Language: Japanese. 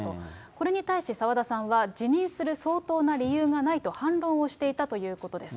これに対し、澤田さんは、辞任する相当な理由がないと反論をしていたということです。